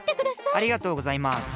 ありがとうございます。